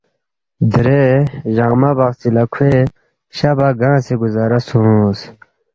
دیرے جقما بقچی لہ کھوے شہ بہ گنگسے گُزارہ سونگس